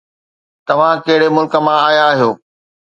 توهان ڪهڙي ملڪ مان آيا آهيو؟